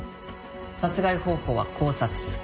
殺害方法は絞殺。